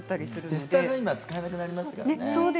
テスターが今使えなくなりましたね。